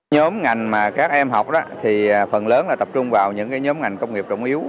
nhóm ngành mà các em học thì phần lớn là tập trung vào những nhóm ngành công nghiệp trọng yếu